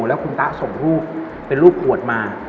แล้วคุณตะส่งรูปเป็นรูปขวดมา